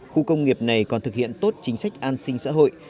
khu công nghiệp này còn thực hiện tốt chính sách an sinh xã hội